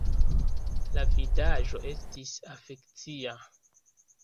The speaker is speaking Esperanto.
La vidaĵo estis afekcia!